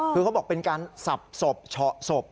คือเขาบอกเป็นการสับสบชะ